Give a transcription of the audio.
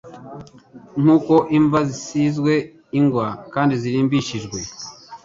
Nk'uko imva zisizwe ingwa kandi zirimbishijwe,